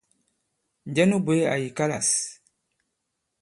Njɛ nu bwě àyì kalâs ?